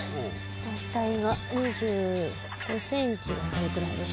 大体が２５ｃｍがこれくらいでしょ。